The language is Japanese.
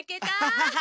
アハハハ！